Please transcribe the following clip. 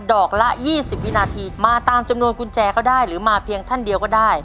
อกละ๒๐วินาทีมาตามจำนวนกุญแจก็ได้หรือมาเพียงท่านเดียวก็ได้